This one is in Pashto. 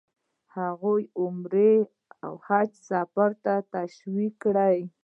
هغوی عمرې او حج سفر ته تشویق کړي.